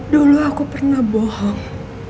dulu aku pernah bohong